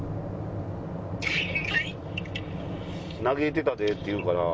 「嘆いてたで」って言うから。